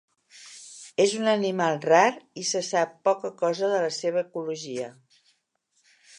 És un animal rar i se sap poca cosa de la seva ecologia.